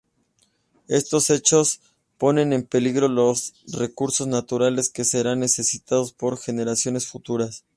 Estos hechos ponen en peligro los recursos naturales que serán necesitados por generaciones futuras.